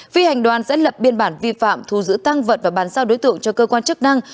phi hành đoàn sẽ lập biên bản vi phạm thu giữ tăng vật và bàn sao đối tượng cho cơ quan chức năng